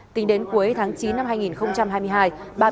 tính đến cuối tháng chín năm hai nghìn hai mươi hai